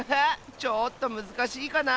ちょっとむずかしいかな？